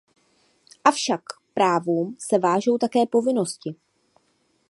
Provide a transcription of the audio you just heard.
Avšak k právům se vážou také povinnosti.